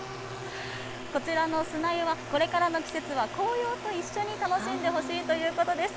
こちらの砂湯は、これからの季節は紅葉と一緒に楽しんでほしいということです。